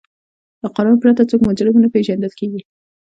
له قانون پرته څوک مجرم نه پیژندل کیږي.